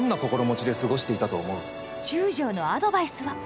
中将のアドバイスは。